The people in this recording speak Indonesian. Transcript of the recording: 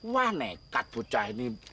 wah nekat bucah ini